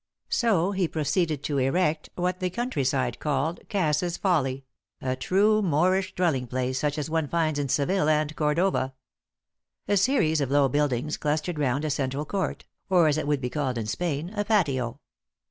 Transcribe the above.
So he proceeded to erect what the countryside called "Cass's Folly" a true Moorish dwelling place such as one finds in Seville and Cordova. A series of low buildings clustered round a central court, or, as it would be called in Spain, a patio.